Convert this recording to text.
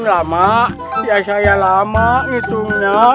selasi selasi bangun